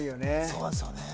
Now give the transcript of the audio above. そうですよね